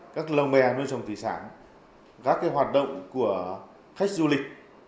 các lông mè nuôi trồng thủy sản các hoạt động của khách du lịch